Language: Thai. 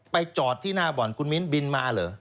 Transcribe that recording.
จอดที่หน้าบ่อนคุณมิ้นบินมาเหรอ